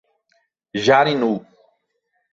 Jarinu